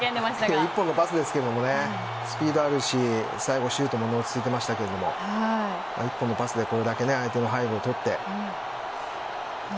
１本のパスですけどスピードあるし最後シュートも落ち着いていましたけれども１本のパスでこれだけ相手の背後を取って。